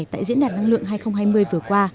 tại diễn đàn năng lượng hai nghìn hai mươi vừa qua